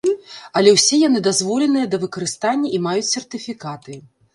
Але ўсе яны дазволеныя да выкарыстання і маюць сертыфікаты.